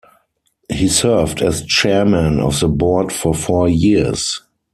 He served as chairman of the board for four years.